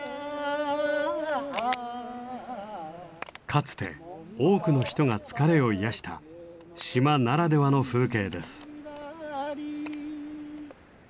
かつて多くの人が疲れを癒やした島ならではの風景です。